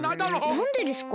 なんでですか？